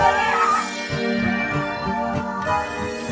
diam nih kan